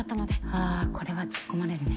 あぁこれは突っ込まれるね。